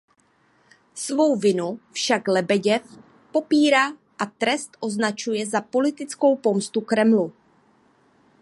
Svou vinu však Lebeděv popírá a trest označuje za politickou pomstu Kremlu.